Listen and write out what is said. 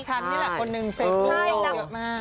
ฉันนี่แหละคนนึงเซฟรูปเราเยอะมาก